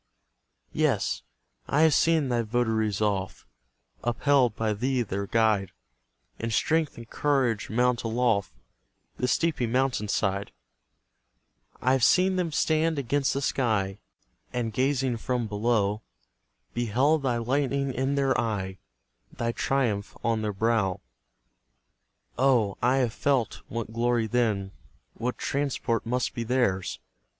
Yes, I have seen thy votaries oft, Upheld by thee their guide, In strength and courage mount aloft The steepy mountain side; I've seen them stand against the sky, And gazing from below, Beheld thy lightning in their eye Thy triumph on their brow. Oh, I have felt what glory then, What transport must be theirs!